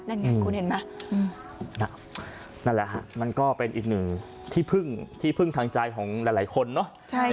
นั่นไงคุณเห็นไหมนั่นแหละฮะมันก็เป็นอีกหนึ่งที่พึ่งที่พึ่งทางใจของหลายคนเนอะ